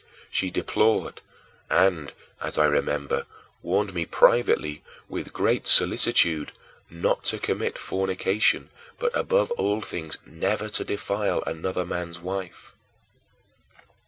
She deplored and, as I remember, warned me privately with great solicitude, "not to commit fornication; but above all things never to defile another man's wife."